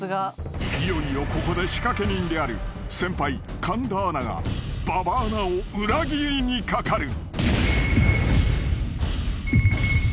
［いよいよここで仕掛け人である先輩神田アナが馬場アナを裏切りにかかる］